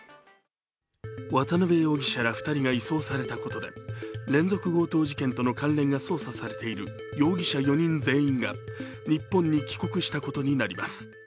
渡辺容疑者ら２人が移送されたことで連続強盗事件との関連が捜査されている容疑者４人全員が日本に帰国したことになります。